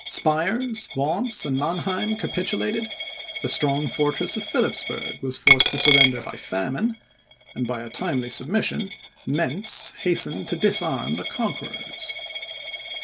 Spires, Worms, and Manheim capitulated; the strong fortress of Philipsburg was forced to surrender by famine; and, by a timely submission, Mentz hastened to disarm the conquerors.